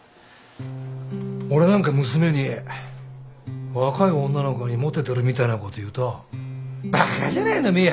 俺なんか娘に若い女の子にモテてるみたいなこと言うと「バカじゃないの？